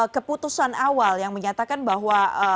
keputusan awal yang menyatakan bahwa